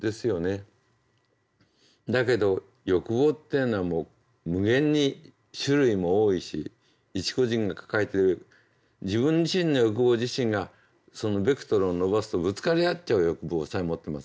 だけど欲望っていうのは無限に種類も多いし一個人が抱えてる自分自身の欲望自身がそのベクトルを伸ばすとぶつかり合っちゃう欲望さえ持ってます。